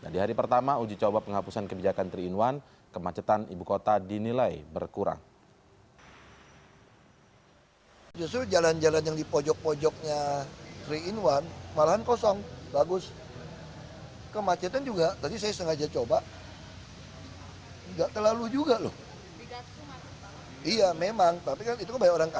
di hari pertama uji coba penghapusan kebijakan tiga in satu kemacetan ibu kota dinilai berkurang